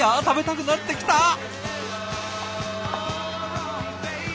食べたくなってきた。